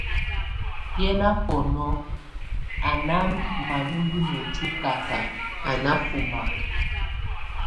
Yé nafɔnɔk a ná manye imoti kakak a náfomak.